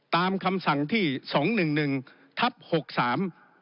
ตามคำสั่งที่ทร๒๑๑ดร๖๓